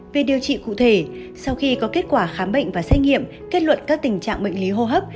về điều trị cụ thể sau khi có kết quả khám bệnh và xét nghiệm kết luận các tình trạng bệnh lý hô hấp